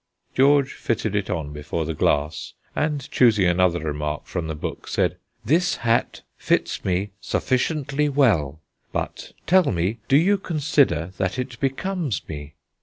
George fitted it on before the glass, and, choosing another remark from the book, said: "This hat fits me sufficiently well, but, tell me, do you consider that it becomes me?"